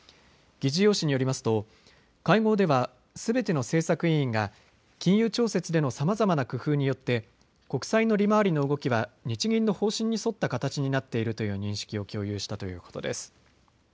議事要旨によりますと会合ではすべての政策委員が金融調節でのさまざまな工夫によって国債の利回りの動きは日銀の方針に沿った形になっているという認識を共有したということです。